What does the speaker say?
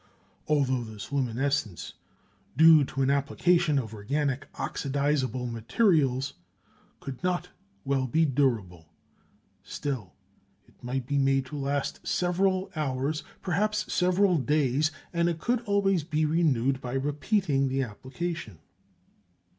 Although this luminescence, due to an application of organic oxidizable materials, could not well be durable, still it might be made to last several hours, perhaps several days, and it could always be renewed by repeating the application."